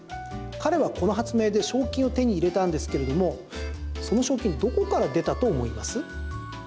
彼はこの発明で賞金を手に入れたんですけれどもその賞金どこから出たと思います？